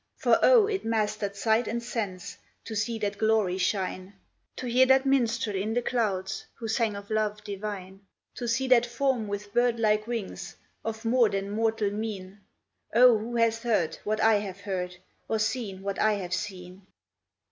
For oh, it mastered sight and sense, to see that glory shine, To hear that minstrel in the clouds, who sang of Love Divine, To see that form with bird like wings, of more than mortal mien: O, who hath heard what I have heard, or seen what I have seen?